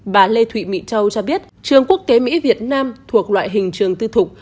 bà lê thụy mỹ châu cho biết trường quốc tế mỹ việt nam thuộc loại hình trường tư thục